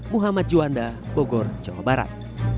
muhammad juanda bogor jawa barat